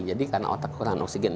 jadi karena otak kekurangan oksigen